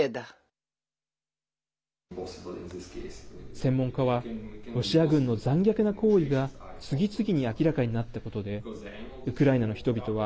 専門家はロシア軍の残虐な行為が次々に明らかになったことでウクライナの人々は